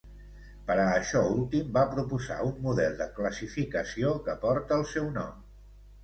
Per a això últim, va proposar un model de classificació que porta el seu nom.